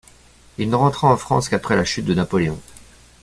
Il ne rentrera en France qu’après la chute de Napoléon.